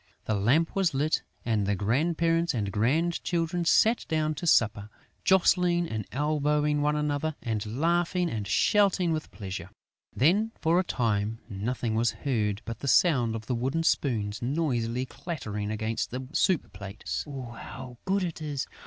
The lamp was lit and the grandparents and grandchildren sat down to supper, jostling and elbowing one another and laughing and shouting with pleasure. Then, for a time, nothing was heard but the sound of the wooden spoons noisily clattering against the soup plates. "How good it is!